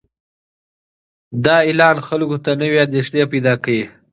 دا اعلان خلکو ته نوې اندېښنې پیدا کوي.